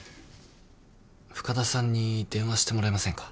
深田さんに電話してもらえませんか？